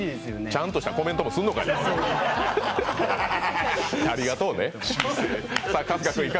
ちゃんとしたコメントもすんのかい！